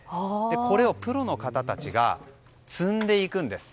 これをプロの方たちが摘んでいくんです。